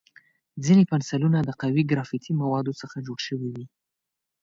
ځینې پنسلونه د قوي ګرافیتي موادو څخه جوړ شوي وي.